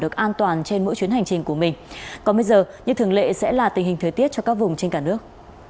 còn bây giờ như thường lệ sẽ là tình hình thời tiết cho các vùng trên cả nước